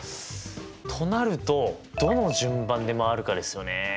となるとどの順番で周るかですよね。